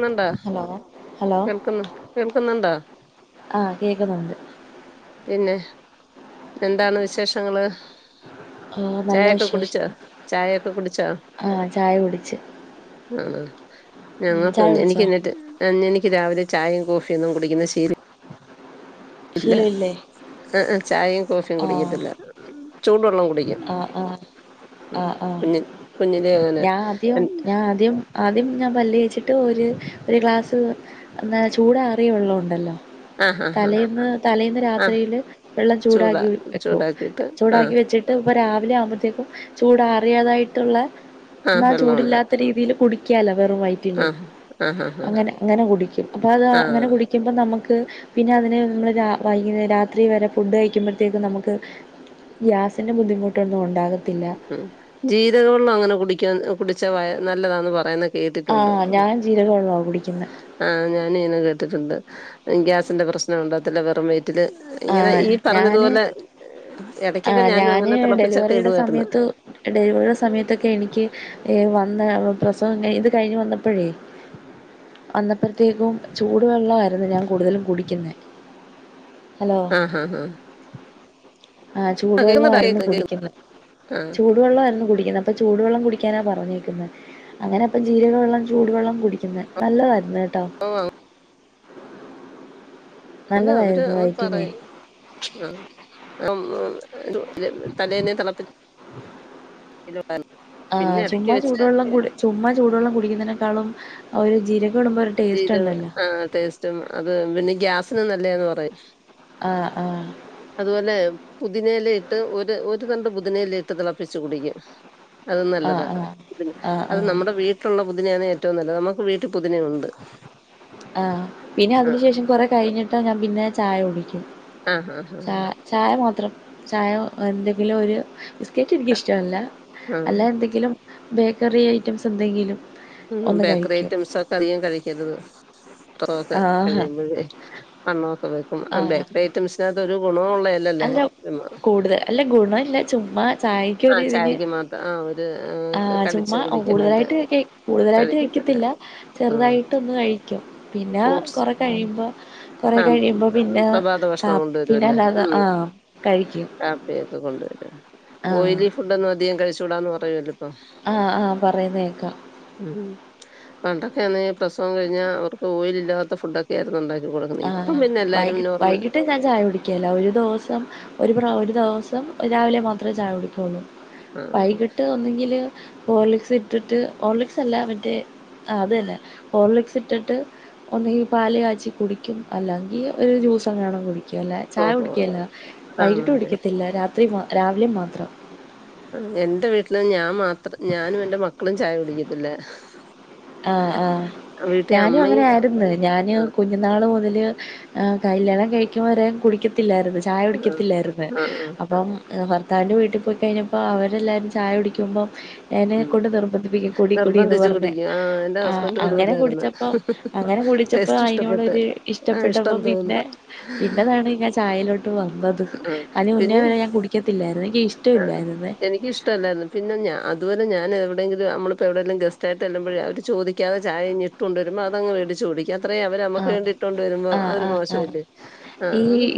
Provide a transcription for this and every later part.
കേൾക്കുന്നുണ്ടോ hello hello കേൾക്കുന്നു കേൾക്കുന്നുണ്ടോ ആഹ് കേക്കുന്നുണ്ട് പിന്നെ എന്താണ് വിശേഷങ്ങള് ആഹ് നല്ല ചായ ഒക്കെ കുടിച്ച വിശേഷം ചായയൊക്കെ കുടിച്ച ആഹ് ചായ കുടിച്ച് ആഹ് ഉം, ചായ ഞങ്ങക്ക്ണ്ട് കുടിച്ചോ എനിക്ക്ന്നിട്ട് എനനിക്ക് രാവിലെ ചായയും കോഫി ഒന്നും കുടിക്കുന്ന ശീല ശീലോഇല്ലേ ആഹ് ചായയും കോഫി ഒന്നും കുടിക്കത്തില്ല ചൂടുവെള്ളം കുടിക്കും ആഹ് ആഹ് ഉം ആഹ് ആഹ് കുഞ്ഞ് കുഞ്ഞിലേ അങ്ങനെ ഞാൻ ആദ്യം ഞാൻ ആദ്യം ആദ്യം ഞാൻ പല്ല് തേച്ചിട്ട് ഒരു ഒരു ഗ്ലാസ്സ് എന്നാ ചൂടാറിയ ഉള്ളോണ്ടല്ലോ ആ ഹാ ഹാ തലേൽന്ന് തലേയിന്ന് ആ രാത്രിയില് വെള്ളം ചൂടാ ചൂടാക്കി വെക്കും ചൂടാക്കിയിട്ട് ആ ചൂടാക്കി വെച്ചി ട്ടം പ്പ രാവിലെ ആവുമ്പോഴത്തേക്കും ചൂടാറിയതായിട്ടുള്ള ആ ന്ന വെള്ളമുണ്ട് ചൂടില്ലാത്ത രീതിയിലു കുടി ക്കാലോ വെറും വയ റ്റിനെ ആ ആ ഹാ ഹാ അങ്ങനെ അങ്ങനെ കുടിക്കും അപ്പൊ അത് ആ അങ്ങനെ കുടിക്കുമ്പോ നമ്മക്ക് പിന്നെ അതിനെ നമ്മള് രാവൈകുന്നേരാത്രി വരെ ഫുഡ് കഴിക്കുമ്പഴ്‌ത്തേക്കും നമുക്ക് ഗ്യാസ് തിൻ്റെ ബുദ്ധിമുട്ടൊന്നും ഉണ്ടാകത്തില്ല ഉം ജീരക വെള്ളം അങ്ങനെ കുടിക്കാ കുടിച്ച വയ നല്ലതാന്ന് പറയുന്നത് ആഹ് ഞാൻ ജീരകം വെള്ള കുടിക്കുന്നത് ആഹ് ഞാന് ഇയ്നെ കേട്ടിട്ടുണ്ട് ഗ്യാസിന്റെ പ്രശ്നം ഉണ്ടാകത്തില്ല വെറും വെയറ്റില് ആ ഇങ്ങനെ ഈ ഞാൻ പറഞ്ഞതുപോലെ ആ എടക്കൊക്കെ ഞാനും ഞാൻ അങ്ങനെ തിളപ്പിച്ചൊക്കെ ഡെലിവറിയുടെ ഇടുവായിരു സമയത്ത് ഡെലിവറിയുടെ സമയത്തൊക്കെ എനിക്ക് ഏഹ് വന്ന പ്രസവം കഴി ഇത് കഴിഞ്ഞു വന്നപ്പഴേ അന്നപ്രെത്തേകും ചൂടുവെള്ളായിരുന്നു ഞാൻ കൂടുതലും കുടിക്യുന്നേ ഹലോ ആഹ് ആഹ് ആഹ് കേക്കുന്നുണ്ട് ചൂടുവെള്ളആയിരുന്നു കേക്ക കേക്ക കുടിക്കുന്ന് ആഹ് ചൂ ചുടുവെള്ള എന്നും കുടിക്കുന്ന അപ്പ ചൂട് വെള്ളം കുടിക്കാനാ പറഞ്ഞേക്കുന്നേ അങ്ങനെ അപ്പം ജീരക വെള്ളം ചൂടുവെള്ളം കുടിക്കുന്നത് നല്ലതായിരുന്നു കേട്ടോ ഓആഹ് അവര് അവര് നല്ലതായിരുന്നു അങ്ങൻ വയറ്റിനെ പറയും ആഹ് [unintelligible] തലേന്നെ തളപ്പി [inaudible] പിന്നെ ആഹ് എടക്ക് ചുമ്മ വെച്ചിട്ട് ചൂടുവെള്ളം കു ചുമ്മാ ചൂടുവെള്ളം കുടിക്കുന്നതിനേക്കാളും ഒരു ജീരകം ഇടുമ്പോ ചീര ആഹ് ടേസ്റ്റും അത് പിന്നെ ഗ്യാസിന് നല്ലേന്ന് പറയും ആഹ് ആഹ് അതുപോലെ പുതിനേയിലഇട്ട് ഒരു ഒരു തണ്ട് പുതിനഇല ഇട്ട് തിളപ്പിച്ച് കുടിക്കും അത് ആ നല്ലതാ ആ ആ ആ അത്‌ നമ്മടെ വീട്ട്ലുള്ള പുതിന അണ് ഏറ്റവും നല്ലത് അമ്മക്ക് വീട്ട് പൊതിന ഉണ്ട് ആഹ് പിന്നെ അതിനു ശേഷം കൊറെ കഴിഞ്ഞിട്ടാ ഞാൻ പിന്നെ ചായ കുടിക്കും ആഹ് ആഹ് ആഹ് ചാ ആഹ് ചായ മാത്രം ചായ എന്തെങ്കിലും ഒര് ബിസ്ക്കേറ്റ് എനിക്കിഷ്ടമല്ല ആഹ് അല്ലാ എന്തെങ്കിലും ബേക്കറി ഐറ്റംസ് എന്തെങ്കിലും ഉം ഒന്ന് ബേക്കറി കഴിക്കും ഐറ്റംസ് ഒക്കെ അതികം കഴിക്കരുത് ഇത്രൊഓക്കെ ആഹ് കഴിയുമ്പോഴേ വണ്ണോക്ക വക്കും ബേക്ക്മ്മ ആഹ് ബേക്ക് ബേയ്റ്റംസ്നകത്ത് ഒരു ഗുണവു ഉള്ള ഏ അല്ല കൂടുതൽ അല്ല ഗുണം ഇല്ല ചുമ്മാ ചായക്കൊരു ആഹ് ഇതിന് ചായക്ക് മാത്രം ആഹ് ഒരു ആഹ് കടിച്ചു ചുമ്മാ കുടിക്കാൻ വേണ്ടി കൂടുതലായിട്ട് ക കൂടുതലായിട്ട് കഴിക്കത്തില്ല ആഹ് ചെറുതായിട്ടൊന്ന് കഴിക്കും പിന്നാ ഫ്രൂട്ട്സ് കുറെ കഴിയുമ്പോ കൊറെ ആഹ് മ് കഴിയുമ്പോ പിന്നെ പ്രഭാത കാ ഭക്ഷണം പിന്നെ കൊണ്ടൊരുഅല്ലേ അല്ലാതെ ആഹ് ഉം കഴിക്കും കാപ്പിയൊക്കെ കൊണ്ടുവര ആഹ് ഓയലി ഫു‌ഡ്ഡ്ന്നും അതികം കഴിച്ചൂടാന്ന് പറയുമല്ലോ ആഹ് ആഹ് പറയുന്നേക്കാം ഉം പണ്ടൊക്കെ അന്നേ പ്രസവം കഴിഞ്ഞാ അവർക്ക് ഓയില് ഇല്ലാത്ത ഫുഡൊ ക്കെ ആർന്ന് ഉണ്ടാക്കി കൊടുക്കുന്നത് ഇപ്പം ആഹ് പിന്നെ എല്ലാരും വൈകി നോർമൽ വൈകിട്ട് ഞാൻ ചായ കുടിക്ക്യല്ല ഒരു ദോവസം ഒരു പ്ര ഒരു ദോവസം രാവിലെ മാത്രേ ചായ കുടിക്കൊള്ളൂ ആഹ് വൈകിട്ട് ഒന്നെങ്കില് ഹോർലിക്സ് ഇട്ടിട്ട് ഓർലിക്സ് അല്ല അവന്റെ അതല്ലേ ഹലിക്സ് ഇട്ടിട്ട് ഒന്നഈ പാൽ കാച്ചി കുടിക്കും അല്ലെങ്കിൽ ഒരു ജ്യൂസ് അങ്ങനെയാണ കുടിക്കും അല്ലെ ചായ ഓഹോ കുടിക്കുകല്ല ആണ് വൈകിട്ടും അതെ കുടിക്കത്തില്ല രാത്രി രാവിലെ മാത്രം എൻറെ വീട്ടില് ഞാൻ മാത്രം ഞാനും എന്റെ മക്കളും ചായ കുടിക്കത്തില്ല ആഹ് ആഹ് വീട്ടിൽ ഞാനും അങ്ങനെ അമ്മയും ആയിരുന്നു ഞാന് ആഹ് കുഞ്ഞ്ന്നാള് മുതല് കല്യാണം കഴിക്കുമ്പോൾ വരെ കുടിക്കത്തില്ലായിരുന്നു ചായ ആഹ് കുടിക്കത്തില്ലായിരുന്നു ആഹ് ആഹ് അപ്പം ഭർത്താവിൻ്റെ വീട്ടിൽ പോയി കഴിഞ്ഞപ്പോൾ അവരെല്ലാവരും ചായ കുടിക്കുമ്പോം എന്നെക്ക ഉം കൊണ്ട് നിർബന്ധിപ്പിക്കും കുടിക്കൊട എന്ന് നിർബന്ധിച്ച് പറഞ്ഞൽ കുടിക്കും. ആഹ് എന്റെ ആഹ് ഹസ്ബൻഡും അങ്ങനെ അതുപോലായിരുന്നു. കുടിച്ചപ്പോ അങ്ങനെ കുടിച്ചപ്പോ ടേസ്റ്റ് ഇഷ്ടപ്പെട്ട് അയിതിനോടരു ആഹ് ഇഷ്ടപ്പെട്ടപ്പോ ഇഷ്ടം തോന്ന് പിന്നെ പിന്നെതാണ് ങ്ങൻ ചായയിലോട്ട് വന്നമ്പത് അതിന് മുന്നേ വരെ ഞാൻ കുടിക്കത്തില്ലായിരുന്നു എനിക്ക് ഇഷ്ടമില്ലായിരുന്നേ എനിക്ക്ഷ്ട ല്ലാരുന്ന് പിന്നെഞാ അതുല ഞാൻ എവിടെങ്കിലും നമ്മിപ്പോൾ എവിയെങ്കും ഗസ്റ്റായിട്ട എല്ല്പഴ അവ ചോദാതെ ചായഞ്ഞിട്ട് ണ്ടരുമ്പ അത്ങ് മേടിച്ച് കുടിക്കും അത്ര അവര് നമ്മക്ക് വേണ്ടി ആഹ് ഇട്ടൊണ്ട് വരുമ്പോ ആഹ് അവര് ആഹ് മോശായിട്ട് ആഹ്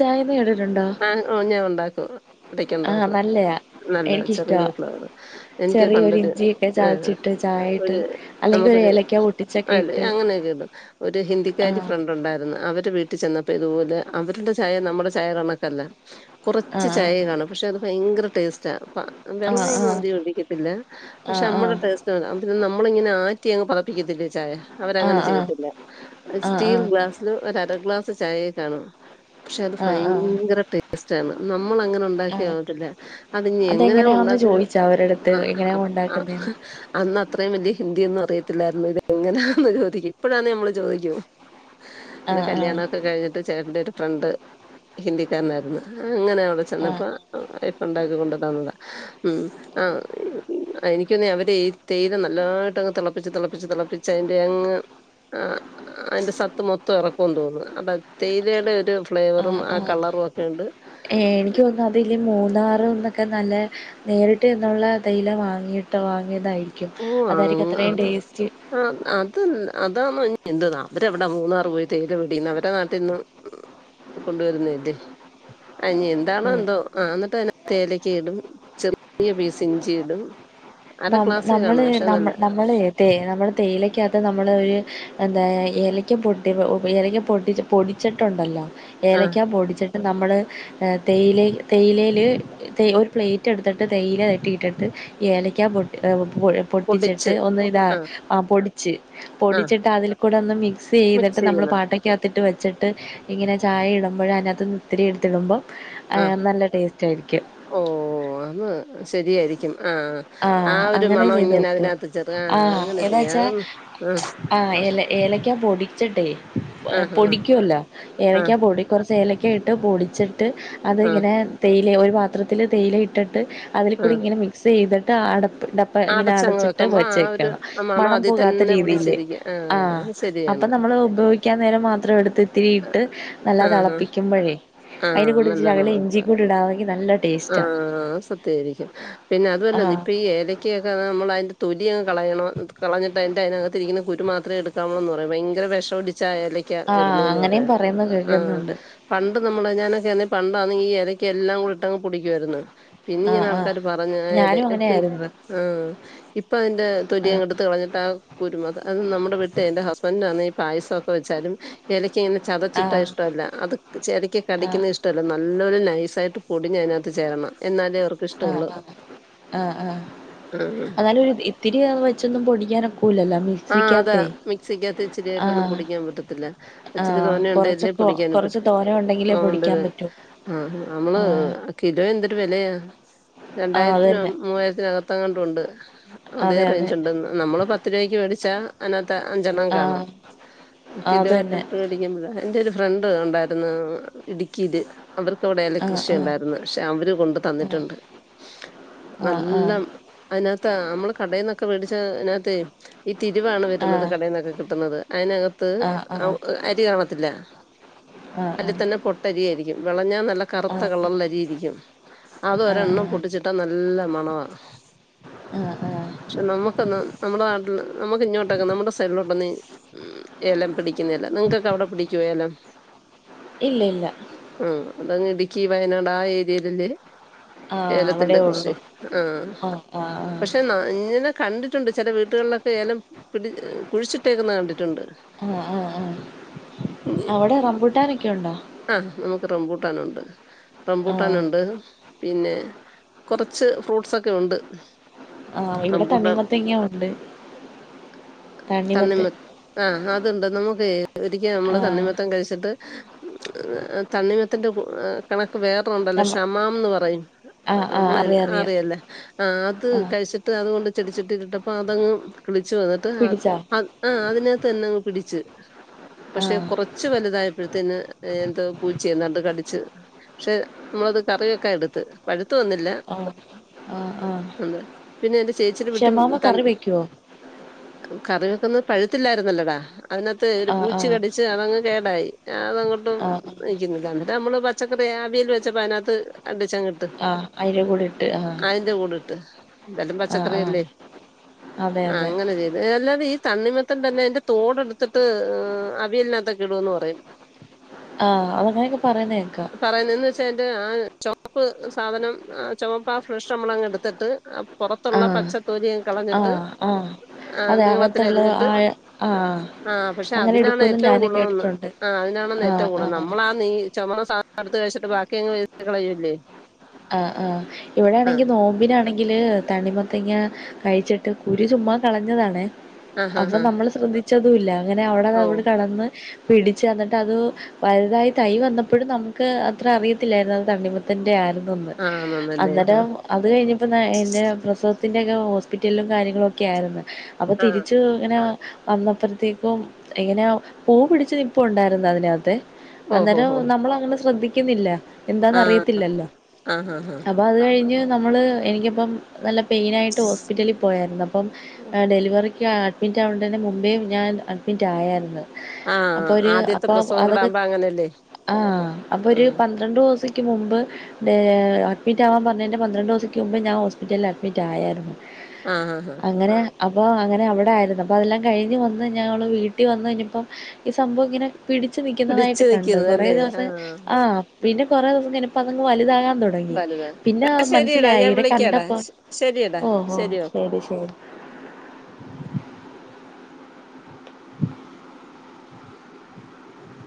ചയമഎട്ടട്ടുണ്ടോ ആഹ് ഞാൻ ഉണ്ടാക്കും ഇടക്ക് ഉണ്ടാക്കും നല്ലയാ നല്ല എനിക്കിഷ്ടവാ ചെറിയ ഫ്ലവർ എനിക്ക് ചെറിയൊരു പണ്ടത് ഇഞ്ചിയൊക്കെ ആഹ് ചതച്ചിട്ട് ചായയിട്ട് ഒരു അല്ലെങ്കിൽ ഒരു നമുക്കൊരു ഏലക്ക പൊട്ടിച്ചൊക്കെ അല്ലേ ഇട്ട് അങ്ങനെയക്കെ ഇടും ഒരു ഹിന്ദിക്കാരി ആഹ് ഫ്രണ്ട് ഉണ്ടായിരുന്നു അവടെ വീട്ടിൽ വീട്ടി ചെന്നപ്പോ ഇതുപോലെ അവരുടെ ചായ നമ്മുടെ ചായ കണക്കല്ല കുറച്ച് ചായ ആഹ് കാണും പക്ഷെ അത് ഭയങ്കര ടേസ്റ്റാ ആഹ് വെള്ളമൊന്നും ആഹ് അധികം ഒടിക്കത്തില്ല പക്ഷെ നമ്മുടെ ആഹ് ടേസ്റ്റ് ന്നെ നമ്മള ഇങ്ങെ ആറ്റി അങ് പതപ്പിക്കത്തില്ലേ ചായ ആഹ് അവരങ്ങനെ ആഹ് ചെയ്ട്ടില്ല ആഹ് ആഹ് ആഹ് സ്റ്റീൽ ഗ്ലാസ്സില് ഒര് അര ഗ്ലാസ് ചായയെ കാണും പക്ഷെ അത് ആഹ് ആഹ് ഭയങ്കര ടേസ്റ്റ് ആണ് നമ്മൾ അങ്ങനെ ഉണ്ടാക്കി ആഹ് ട്ടില്ല അത്നി എങ്ങനെയാ അതെങ്ങനെയാന്ന് ഉണ്ടാക്കുന്നത് ചോദിച്ചാ അവരടുത്ത് എങ്ങനെയാ ആഹ് ഉണ്ടാക്കുന്നേന്ന് അന്ന് അത്രയും വലിയ ഹിന്ദി അറിയത്തില്ലായിരുന്നു ഇത് എങ്ങനെയാന്ന് ചോദിക്കും ഇപ്പോഴാണ് നമ്മൾ ചോദിക്കോ എന്റെ ആഹ് ആഹ് കല്യാണൊക്കെ കഴിഞ്ഞിട്ട് ചേട്ടന്റെറെ ഒരു ഫ്രണ്ട് ഹിന്ദിക്കാരനായിരുന്നു അങ്ങനെ അവിടെ ആഹ് ചെന്നപ്പോ ഇപ്പ ഉണ്ടാക്കി കൊണ്ടു തന്നതാ ഉം ആഹ് എനിക്കൊന്ന അവരെ ഈ തേരം നല്ലായിട്ട് അങ്ങ് തിളപ്പിച്ച് തിളപ്പിച്ച് തിളപ്പിച്ച് അതിറെ അങ്ങ് ആഹ് അതിന്റെ സത്ത് മൊത്തം ഇറക്കുമെന്ന് തോന്നുന്നു അത തേതയുടെ ഒരു ഫ്ലേവറും ആഹ് കളറും ഒക്കെ ഉണ്ട് ക്ക് തോന്ന്ണ അതില് മൂന്നാറന്നൊക്കെ നല്ല നേരിട്ട് എന്നുള്ള തയില വാങ്ങിയിട്ട് വാങ്ങിയതായിരിക്കും ഓഹ് അതായിരിക്കും ആഹ് അത്രയും അതാ ടേസ്റ്റ് ആഹ് അത് അതാന്നിന്ത അവര് വിടെ മൂന്നാർ പോയി തേയില പിടന്ന് അവരെ നാട്ടിൽന്ന് കൊണ്ടുവരുന്നല്ലേ അനി ആയിനിഎന്താണോ എന്തോ ആഹ് എന്നിട്ട് ആഹ് തേലക്ക് ഇടും ചെറിയ പീസ് ഇഞ്ചി ഇടും അരഗ്ലാസ് നമ്മൾ നമ്മ നമ്മൾ തേയില നമ്മുടെ തേയിലക്കകത്ത് നമ്മൾ ഒരു എന്താ ഏലയ്ക്ക പൊട്ടി ഏലക്ക പൊട്ട പൊടിച്ചിട്ടുണ്ടല്ലോ ആ ഏലയ്ക്ക പൊടിച്ചിട്ട് നമ്മള് തേയില തേയിലൽ ത ഒരു പ്ലേറ്റ് എടുത്തിട്ട് തേയില തെട്ടിയിട്ടിട്ട് ഏലയ്ക്കാൻ പൊട്ടി പുഴ പൊട്ടിച്ചിട്ട് പൊടിച്ച് ഒന്ന് ഇതാ ആ പൊടിച്ച് ആ പൊടിച്ചിട്ട് അതിൽ കൂടെ ഒന്ന് മിക്സ് ചെയ്തിട്ട് മിക്സ് നമ്മള് ചെയ്യണം പാട്ട പാട്ടക്കകത്തിട്ട് വെച്ചിട്ട് ഇങ്ങനെ ചായ ഇടുമ്പോഴും അതിനകത്ത് ഒത്തിരി എടുത്തിടുമ്പോം ആഹ് നല്ല ടേസ്റ്റ് ആയിരിക്കും ഓഹ് അന്ന് ശരിയായിരിക്കും ആഹ് ആഹ് ഒരു അങ്ങനെ മണം ചെയ്ത് ഇങ്ങനെ നോക്ക് അതിനകത്ത് ചെറുക്കാ ആഹ് അങ്ങനെ എന്ന് വെച്ചാ ചെയ്യാതന്ന് ആഹ് ആഹ് ഏല ഏലക്ക പൊടിച്ചട്ടെ ആ പൊടിക്കല്ലോ ആ ഏലക്ക പൊടി കുറച്ച് എലക്ക ഇട്ട് പൊടിച്ചിട്ട് ആ അതിങ്ങനെ തേയില ഒരു പാത്രത്തിൽ തേയില ഇട്ടിട്ട് അതിൽ ആ കൂടി ഇങ്ങനെ മിക്സ് ചെയ്തിട്ട്പ്പ് ആ ഇങ്ങനെ അടച്ചങ്ങ് അടച്ചിട്ട് വെക്കുമ്പോ വച്ച ആ ഒരു വക്കണം മണം അതിൽ പോകാത്ത തന്നെ രീതിൽ പിടിച്ചിരിക്കും ആ ആഹ് അത് അപ്പൊ ശരിയാണ് നമ്മൾ ഉപയോഗ ഗികുടിക്കാൻ നേരം മാത്രം എടുത്ത്ത്തിരിയിട്ട് നല്ല ആ ആ തിളപ്പിക്കുമ്പോഴേ ആ അതിൻ്റെ കൂടി നല്ല ശകലം മണം ഇഞ്ചിക്കൂടി ഇടാവങ്കിൽ നല്ല ടേസ്റ്റാ ഇതായിരിക്കും പിന്നെ അതുമല്ല ആഹ് ഇപ്പൊ ഏല കക്കിയൊക്കെ നമ്മൾ അതിന്റെ തൊലിയങ് കളയണം കളഞ്ഞിട്ട് അതിന്റെ ഇരിക്കുന്നു കുരുമാത്രം എടു [unintelligible] എന്ന് പറയാ ഭയങ്കര വിഷം അടിച്ച ഏലക്ക ആഹ് വരുന്നന്ന് പറയുന്ന് അങ്ങനെയും പറയുന്ന കേൾക്കുന്നുണ്ട് പണ്ട് നമ്മള് ഞാനൊക്കൊ പണ്ടാണെങ്കിൽ ഈ ഏലക്ക എല്ലാം കൂടി ഇട്ടങ് പൊടിക്കുവായിരുന്നു പിന്നെ ആഹ് ഇങ്ങനെ ആഹ് ആൾക്കാര് പറഞ്ഞ് ഏല ഞാനും പിന്നെ അങ്ങനെയായിരുന്നു ആഹ് ഇപ്പൊ അതിന്റെ തൊലി എടുത്ത് കളഞ്ഞിട്ടാ കുരുന്നത് അത് നമ്മുടെ വീട്ട് എന്റെ ഹസ്ബൻഡന് ആന്നേ പായസംക്കെ വെച്ചാലും ഏലക്ക ഇങ്ങനെ ചതച്ചിട്ടാ ആഹ് ഇഷ്ടല്ല അത് ചെരക്ക് ആഹ് കടിക്കുന്ന ഇഷ് ട്ടല്ല നല്ലൊരു നൈസായിട്ട് പൊടിഞ്ഞ് അതിനകത്ത് ചേരണം എന്നാലെ ആഹ് ആഹ് ആഹ് ആഹ് ആഹ് എന്നാലും ഇത്തിരിയാ വെച്ചൊന്നും പൊടിക്കാനൊ ആഹ് അതാ മിക്സിക്കകത്ത് ഇച്ചിരി ആയിട്ടൊന്നും ആഹ് പൊടിക്കാൻ പറ്റത്തില്ല ഇച്ചിരി ആഹ് തോന്നേണ്ട്ലല്ലേ കൊറച്ചൊക്കെ പൊടിക്കാൻ കൊറച്ച് പറ്റു തോനെ ഉണ്ടെങ്കിലേ അത്കൊണ്ട് പൊടിക്കാൻ ഇത് പറ്റൂ ആഹ് നമ്മള് ആഹ് കിലോ എന്തൊട്ട് വിലയാ ആഹ് അത് രണ്ടായിരത്തിനോ തന്നെ മൂവായിരത്തിനക അങ്ങണ്ട് ഉണ്ട് അതേ അതെ അതെ റേഞ്ച്ണ്ട് നമ്മള് പത്ത് രൂപക്ക് മേടിച്ചാ അതിനകത്ത് അഞ്ചെണ്ണം കാണും ആഹ് ആഹ് കിലോ അത് തന്നെ ഇട്ടട്ട് [unintelligible] എന്റെ ഒരു ഫ്രണ്ട് ഉണ്ടായിരുന്നു ഇടുക്കിയില് അവർക്ക് അവിടെ ആഹ് കൃഷി ആഹ് ഉണ്ടായിരുന്നു പക്ഷെ അവര കൊണ്ട് തന്നിട്ടുണ്ട് ആഹ് നല്ല അതിനകത്ത് നമ്മള് കടയിൽന്നൊക്കെ മേടിച്ച അതിനകത്തേ ഈ തിരുവാണ് വരുന്നത് ആഹ് കടയിൽ നിന്നൊക്കെ കിട്ടുന്നത് അതിനേ അക ത്ത് ആഹ് ആഹ് അരി കാണത്തില്ല ആഹ് അതിൽ ആഹ് തന്നെ പൊട്ടരിയായിരിക്കും വിളഞ്ഞാൽ നല്ല ആഹ് കറുത്ത ആഹ് കളറിലെ അരിയിരിക്കും അത് ആഹ് ആഹ് ഒരെണ്ണം പൊട്ടിച്ച് ട്ടാ നല്ല മണവാ ആഹ് ആഹ് പക്ഷെ നമ്മുക്കന്ന് നമ്മുടെ നാട്ടിൽ നമുക്ക് ഇങ്ങോട്ടൊക്കെ നമ്മുടെ സൈഡിലോട്ടൊന്ന് ഉം ഏലം പിടി പിടിക്കുന്നില്ല നിങ്ങക്ക്ക്കെ അവിടെ പിടിക്കോ ഏലം ഇല്ല ഇല്ല ആഹ് അതങ്ങ് ഇടുക്കി വയനാട് ആഹ് ഏരിയലില് ആഹ് അവിടെ ഏലത്തിന്റെ ഉള്ളു കൃഷി ആഹ് പക്ഷെ നങ്ങനെ കണ്ടിട്ടുണ്ട് ചില വീട്ടുകളിലൊക്കെ ഏലം പിടി കുഴിച്ചിട്ടേക്കുന്ന കണ്ടിട്ടുണ്ട് ആഹ് ആഹ് ആഹ് അവിടെ റംമ്പൂട്ടാനൊക്കെ ഉണ്ടോ ആഹ് നമുക്ക് റംബൂട്ടാനുണ്ട് ആഹ് റംമ്പൂട്ടാനുണ്ട് പിന്നെ കൊറച്ച് ഫ്രൂട്ട്സ്ക്കെണ്ട് ആഹ് ഇവിടെ തണ്ണിമത്തങ്ങണ്ട് തണ്ണിമ ആഹ് അതുണ്ട് നമുക്ക് ഒരിക്കും നമ്മള് ആഹ് തണ്ണിമത്തൻ കഴിച്ചിട്ട് തണ്ണിമത്തന്റെ ഈ കണക്ക് വേറെണ്ടല്ലോ നമ്മ ക്ഷമാംന്ന് പറയും ആഹ് ആഹ് നമ്മള അറിയാം അറിയാം അറിയല്ലേ ആഹ് അത് ആഹ് കഴിച്ചിട്ട് അതുകൊണ്ട് ചെടിച്ചട്ടി ഇട്ടപ്പ അതങ്ങ് കിളിച്ചു വന്നിട്ട് പിടിച്ചോ അത് ആഹ് അതിനകത്ത് തന്നെ അങ്ങ് പിടിച്ചു പക്ഷെ ആഹ് കുറ ച്ച് വലുതായപ്പോഴത്തേന് എന്തോ പൂച്ചയേതാണ്ട് കടിച്ച് പക്ഷെ നമ്മളത് കറി വെക്കാൻ എടുത്ത് പഴുത്ത് വന്നില്ല ആഹ് ആഹ് ആഹ് ഉണ്ട് പിന്നെ എന്റെ ചേച്ചിടെ വീട്ടിൽ ഷമാമ തൻ കറി വെക്കുവോ കറിവെയ്ക്കുന്നത് പഴുത്തില്ലായിരുന്നല്ലോടാ അതിനകത്ത് ഒരു ആഹ് പൂച്ച ആഹ് കടിച്ച് അതങ്ങ് കേടായി ഞാൻ അതങ്ങോട്ടും ആഹ് നമ്മള് പച്ചക്കറി അവിയൽ വെച്ചപ്പോ അതിനകത്ത് കണ്ടിച്ചു ഇ ട്ട് ആഹ് അതിന്റെ കൂടെ ഇട്ട് ആഹ് അതിന്റെ കൂടെ ഇട്ട് എന്തായാലും ആഹ് പച്ചക്കറിയല്ലേ ആഹ് അതെ ആ അതെ അങ്ങനെ അല്ലാതെ ഈ തണ്ണിമത്തൻ തന്നെ അതിന്റെ തോട് എടുത്തിട്ട് അവിയല്നാത്തെക്കെ ഇടൂന്ന് പറയുന്നു [inaudible] ആഹ് അത് അങ്ങനെയൊക്കെ പറയുന്ന കേൾക്കാം പറയുന്നത് എന്ന് വെച്ചാ അതിന്റെ ആഹ് ചുവക്ക് സാധനം ആഹ് ചുവപ്പ ഫ്ളഷ് നമ്മളങ്ങ് എടുത്തിട്ട് പുറത്തുള്ള ആഹ് പച്ചത്തോലിയും കളഞ്ഞിട്ട് ആഹ് ആഹ് ആഹ് അതെ നീളത്തില അകത്തുള്ള അരിഞ്ഞിട്ട് ആ ആഹ് ആഹ് പക്ഷെ അങ്ങനെ അതിനാണ് എടുക്കുമെന്ന് ഏറ്റവും ഞാനും ഗുണന്ന് കേട്ടിട്ടുണ്ട് ആ്ഹ് അതിനാണെന്ന് ഏറ്റവും ആഹ് ഗൂണമ്മ ന്ന് ആഹ് നമ്മള [unintelligible] ചുമന്ന സാധനം അടുത്ത് കഴിച്ചിട്ട് ബാക്കിങ്ങ് കളൂല്ലേ ആഹ് ആഹ് ഇവിടെ ആണെങ്കിൽ നോമ്പിനാണെങ്ക എങ്കിൽ തണിമത്തങ്ങ കഴിച്ചിട്ട് കുരു ചുമ്മാ കളഞ്ഞതാണ ആ ഹാ അപ്പൊ ഹാ നമ്മൾ ശ്രദ്ധിച്ചതും ഇല്ല അങ്ങനെ അവിടെ ഓ അവിട് കടന്ന് പിടിച്ച് തന്നിട്ട് അത് വലുതായി തൈ വന്നപ്പോഴും നമുക്ക് അത്ര അറിയത്തില്ലായിരരുന്നു അത് തണ്ണിമത്തന്റെ ആണെ ആ നന്നല്ലേ ആ അന്നേരം അത് കഴിഞ്ഞപ്പോ പ്ര ത്തി്റെയൊക്കെ ഹോസ്പിറ്റലിലും കാര്യങ്ങളും ഒക്കെ ആയിരുന്നു അപ്പോൾ ആ തിരിച്ചു ഇങ്ങനെ അന്നപ്പറത്തേക്കും ഇങ്ങനെ പൂ പിടച്ച് നിപ്പ്ഉണ്ടായിരുന്നു അതിനകത്ത് ഓ ഹോ അന്നേരം ഹോ നമ്മൾ അങ്ങനെ ശ്രദ്ധിക്കുന്നില്ല എന്താന്ന അറിയത്തില്ലല്ലോ ആഹ് ആഹ് ആഹ് അപ്പം അത് കഴിഞ്ഞ് നമ്മൾ എനിക്കിപ്പം നല്ല പെയിനായിട്ട് ഹോസ്പിറ്റലിൽ പോയായിരുന്നു അപ്പം ഡെലിവറിക്ക് അഡ്മിറ്റ് ആകണ്ടയിന് മുംബൈേ ഞാൻ അഡ്മിറ്റ് ആയായിരുന്നു ആ അപ്പൊ ഒരു ആദ്യത്തെ അപ്പൊ പ്രസവം കൂടെ അതൊക്കെ ആകുമ്പോ അങ്ങനല്ലേ ആഹ് അപ്പൊ ഒരു ആ രണ്ടു ദിവസക്ക് മുമ്പ് ഡ അഡ്മിറ്റ് ആവാൻ പറഞ്ഞുതി് പന്ത്രണ്ട് ദിവസക്ക് മുമ്പ് ഞാൻ ഹോസ്പിറ്റലിൽ അഡ്മിറ്റ ആയായിരുന്നു ആഹ് ആഹ് ആഹ് അങ്ങനെ അപ്പോൾ അങ്ങനെ അവിടെയയിരുന്നു അപ്പോൾ അതെല്ലാം കഴിഞ്ഞ് വന്ന് ഞങ്ങൾ വീട്ടിൽ വന്ന് കഴിഞ്ഞപ്പോം ഈ സംഭവം ഇങ്ങനെ പിടിച്ചു നിക്കുന്നതായിട്ട് പിടിച്ചു കണ്ട നിൽക്കുന്നത് കൊറെ അല്ലേ ദിവസം ആഹ് ആഹ് പിന്നെ കുറേ ദിവസം ഇനപ്പ അതങ് വലുതാകാ തുടുങ്ങി തു വലുതാണ് പിന്നെ എടാ ശരിയെടാ മനസ്സിലായ ഞാൻ ഇവിടെ വിളിക്കാടാ കണ്ടപ്പോ ശ- ശരിയെടാ ഓഹോ ഓക്കെ ശരി ശരി [inaudible]